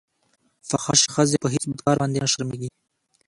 فاحشې ښځې په هېڅ بد کار باندې نه شرمېږي.